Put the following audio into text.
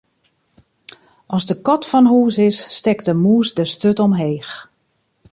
As de kat fan hús is, stekt de mûs de sturt omheech.